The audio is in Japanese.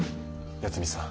八海さん。